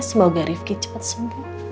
semoga rifqi cepet sembuh